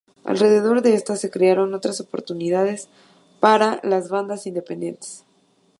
Alrededor de estas se crearon muchas oportunidades para las bandas independientes.